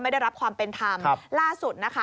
ไม่ได้รับความเป็นธรรมล่าสุดนะคะ